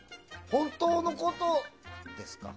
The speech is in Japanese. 本当のことですか？